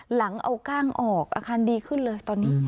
หลังเอากล้างออกอาการดีขึ้นเลยตอนนี้